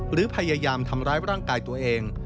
หรือพยายามทำร้ายร่างกายตัวเอง